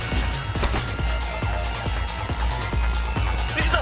行くぞ！